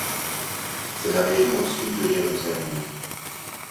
C'est la région au sud de Jérusalem.